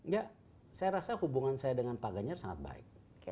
ya saya rasa hubungan saya dengan pak ganjar sangat baik